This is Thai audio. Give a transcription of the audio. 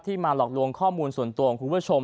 มาหลอกลวงข้อมูลส่วนตัวของคุณผู้ชม